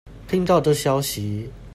聽到這消息